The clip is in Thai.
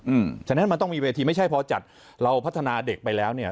ฉะนั้นมันต้องมีเวทีไม่ใช่พอจัดเราพัฒนาเด็กไปแล้วเนี่ย